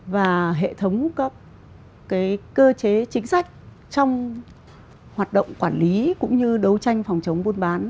và hệ thống các cơ chế chính sách trong hoạt động quản lý cũng như đấu tranh phòng chống buôn bán